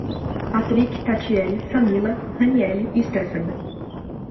Patric, Tatiele, Samila, Raniele e Stephanie